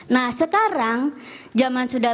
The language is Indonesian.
nah sekarang zaman sudah